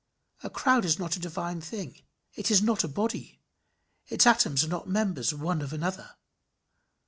A crowd is not a divine thing. It is not a body. Its atoms are not members one of another.